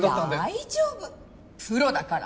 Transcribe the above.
大丈夫プロだから。